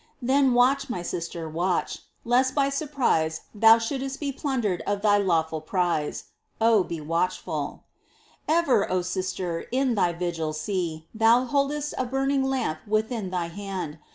Then watch, my sister, watch, lest by surprise Thou shouldst be plundered of thj^ lawful prize ! Oh, watchful be ! Ever, O sister, in thy vigil, see Thou hold'st a burning lamp within thy hand.